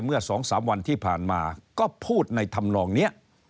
เมื่อ๒๓วันที่ผ่านมาก็พูดในธรรมนองนี้